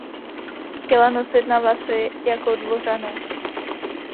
Chtěla nosit na vlasy jako dvořané.